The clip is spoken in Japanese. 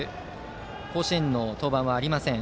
甲子園の登板はありません。